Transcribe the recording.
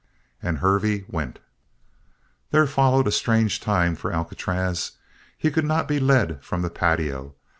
And Hervey went. There followed a strange time for Alcatraz. He could not be led from the patio.